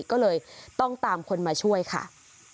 ก็เลยต้องตามคนมาช่วยค่ะ